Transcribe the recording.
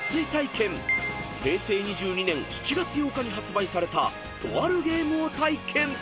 ［平成２２年７月８日に発売されたとあるゲームを体験］